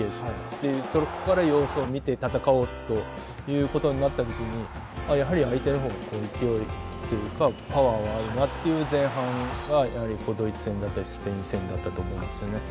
でそこから様子を見て戦おうという事になった時にやはり相手の方が勢いっていうかパワーはあるなっていう前半がやはりドイツ戦だったりスペイン戦だったと思うんですよね。